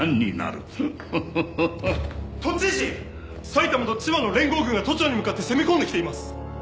埼玉と千葉の連合軍が都庁に向かって攻め込んできています！